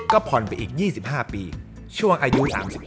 ก็ผ่อนไปอีก๒๕ปีช่วงอายุ๓๑